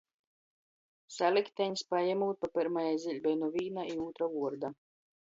Salikteņs, pajemūt pa pyrmajai ziļbei nu vīna i ūtra vuorda.